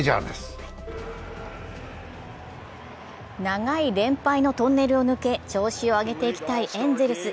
長い連敗のトンネルを抜け調子を上げていきたいエンゼルス。